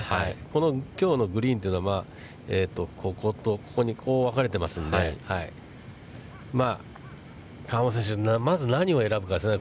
このきょうのグリーンというのは、ここと、ここに、こう分かれてますんで、河本選手、何を選ぶかですね。